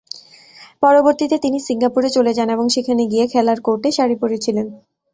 পরবর্তীতে তিনি সিঙ্গাপুরে চলে যান এবং যেখানে গিয়ে খেলার কোর্টে শাড়ি পরেছিলেন।